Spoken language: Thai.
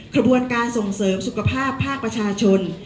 ขบวนการส่งเสริมสุขภาพภาคประชาชน